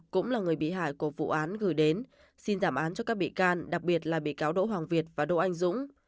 cũng là người bị hại của vụ án gửi đến xin giảm án cho các bị can đặc biệt là bị cáo đỗ hoàng việt và đỗ anh dũng